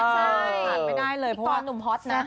ใช่หันไม่ได้เลยเพราะว่านุ่มฮอตนะ